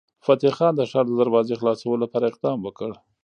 فتح خان د ښار د دروازې خلاصولو لپاره اقدام وکړ.